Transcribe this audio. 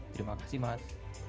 terima kasih mas